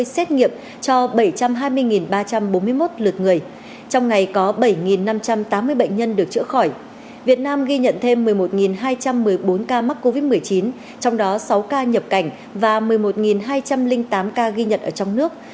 trong xét nghiệm cho bảy trăm hai mươi ba trăm bốn mươi một lượt trong ngày có bảy năm trăm tám mươi bệnh nhân được chữa khỏi việt nam ghi nhận thêm một mươi một hai trăm một mươi bốn ca mắc covid một mươi chín trong đó sáu ca nhập cảnh và một mươi một hai trăm linh tám ca ghi nhận ở trong nước